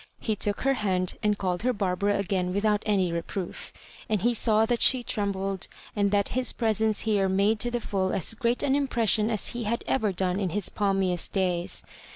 He took her hand, and called her Barbara again without any reproof; and he saw that she trembled, and that hut .pre sence here made to the full as great an impres* sion as he had ever done in his palmiest days.